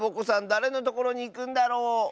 だれのところにいくんだろう？